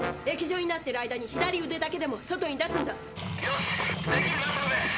液状になってる間に左うでだけでも外に出すんだ。